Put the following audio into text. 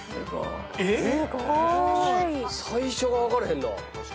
最初が分かれへんな。